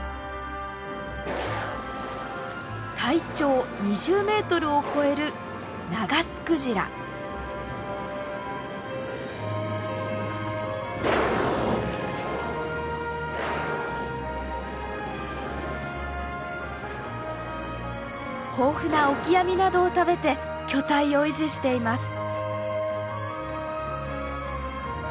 体長２０メートルを超える豊富なオキアミなどを食べて巨体を維持しています。